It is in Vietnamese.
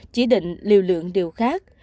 chỉ định liều lượng điều khác